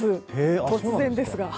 突然ですが。